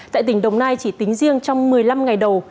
tại tỉnh đồng nai chỉ tính riêng trong một mươi năm ngày đầu